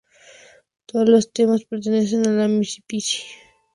Todos los temas pertenecen a La Mississippi.